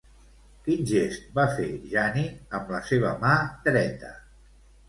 Quin gest va fer Jani amb la seva mà dreta?